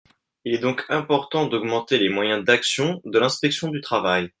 Il est donc important d’augmenter les moyens d’action de l’inspection du travail.